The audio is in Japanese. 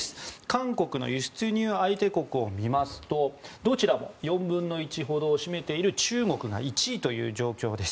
韓国の輸出入相手国を見るとどちらも４分の１ほどを占めている中国１位という状況。